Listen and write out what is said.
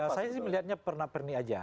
saya sih melihatnya perna perni saja